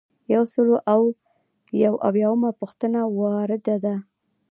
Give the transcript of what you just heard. یو سل او یو اویایمه پوښتنه وارده ده.